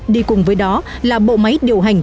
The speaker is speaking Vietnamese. đi cùng với đó là bộ máy điều hành